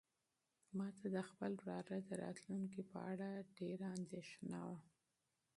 ما ته د خپل وراره د راتلونکي په اړه ډېر تشویش و.